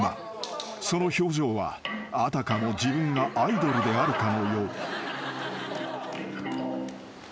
［その表情はあたかも自分がアイドルであるかのよう］